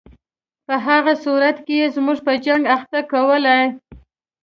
په هغه صورت کې یې موږ په جنګ اخته کولای.